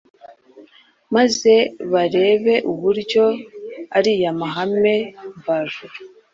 maze barebe uburyo ariya mahame mvajuru,